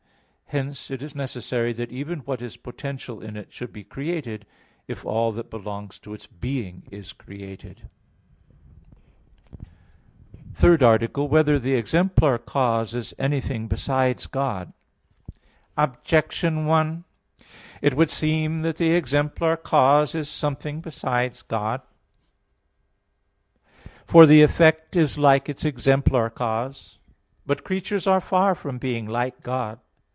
Hence it is necessary that even what is potential in it should be created, if all that belongs to its being is created. _______________________ THIRD ARTICLE [I, Q. 44, Art. 3] Whether the Exemplar Cause Is Anything Besides God? Objection 1: It would seem that the exemplar cause is something besides God. For the effect is like its exemplar cause. But creatures are far from being like God.